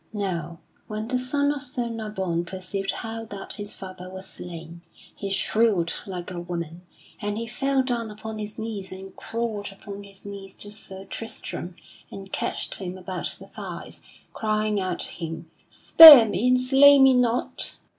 Now when the son of Sir Nabon perceived how that his father was slain, he shrieked like a woman. And he fell down upon his knees and crawled upon his knees to Sir Tristram and catched him about the thighs, crying out to him, "Spare me, and slay me not!"